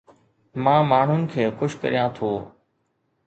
مان ماڻهن کي خوش ڪريان ٿو